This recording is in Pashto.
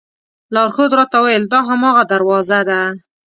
لارښود راته وویل دا هماغه دروازه ده.